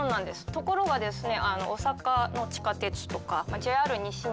ところがですね